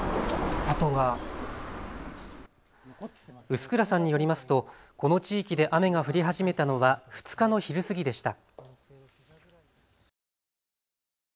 臼倉さんによりますとこの地域で雨が降り始めたのは２日の昼過ぎでした。